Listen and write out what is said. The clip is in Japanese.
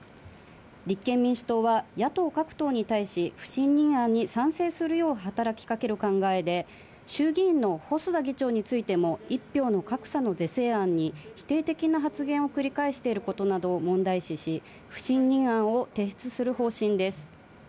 立憲民主党は野党各党に対し、不信任案に賛成するよう働きかける考えで、衆議院の細田議長についても１票の格差の是正案に否定的な発言を繰り返していることなどを問題視し、不信任案を提出する方針です。